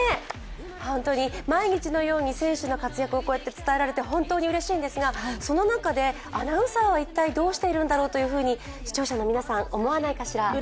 ホントに毎日のように選手の活躍をこうやって伝えられてうれしいんですが、その中でアナウンサーは一体どうしているんだろうと視聴者の皆さん、思わないかしら？